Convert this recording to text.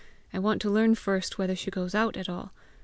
I want to learn first whether she goes out at all.